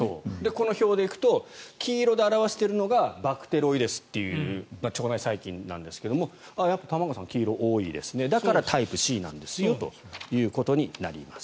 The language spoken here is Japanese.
この表でいくと黄色で表しているのがバクテロイデスという腸内細菌なんですけどもやっぱり玉川さんは黄色が多いですねだからタイプＣですよということになります。